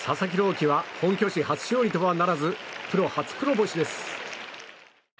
希は本拠地初勝利とはならずプロ初黒星です。